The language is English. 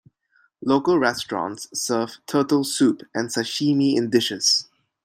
Local restaurants serve turtle soup and sashimi in dishes.